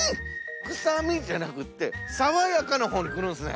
臭みじゃなくって爽やかなほうにくるんですね。